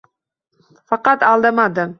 Faqat aldamadim.